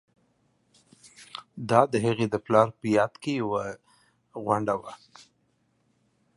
This endeavour was in honour of her father, a scout for the club.